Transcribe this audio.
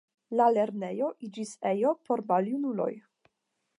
La lernejo iĝis ejo por maljunuloj.